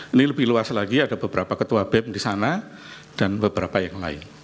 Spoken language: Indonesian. ini lebih luas lagi ada beberapa ketua bem di sana dan beberapa yang lain